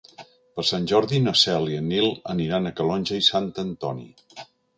Per Sant Jordi na Cel i en Nil aniran a Calonge i Sant Antoni.